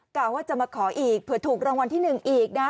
กล่าวว่าจะมาขออีกเผื่อถูกรางวัลที่๑อีกนะ